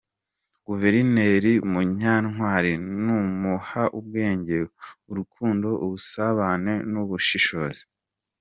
Guverineri Munyantwali: Namuha ubwenge, urukundo, ubusabane n’ubushishozi.